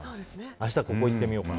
明日ここ行ってみようかな。